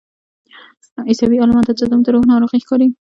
عیسوي عالمانو ته جذام د روح ناروغي ښکارېدله.